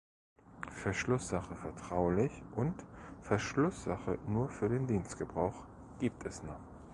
"Verschlusssache vertraulich" und "Verschlusssache nur für den Dienstgebrauch" gibt es noch.